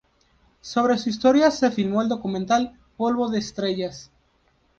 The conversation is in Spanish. Sobre su historia se filmó el documental "Polvo de estrellas".